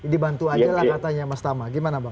dibantu aja lah katanya mas tama gimana bang